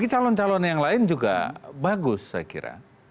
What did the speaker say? jadi calon calon yang lain juga bagus saya kira